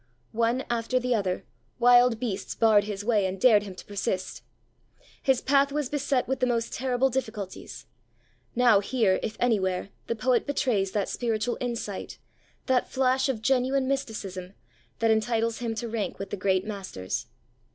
One after the other, wild beasts barred his way and dared him to persist. His path was beset with the most terrible difficulties. Now here, if anywhere, the poet betrays that spiritual insight, that flash of genuine mysticism, that entitles him to rank with the great masters.